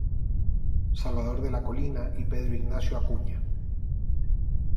Salvador de la Colina y Pedro Ignacio Acuña.